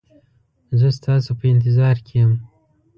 زه ستاسو په انتظار کې یم